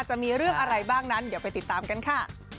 จะมีเรื่องอะไรบ้างนั้นเดี๋ยวไปติดตามกันค่ะ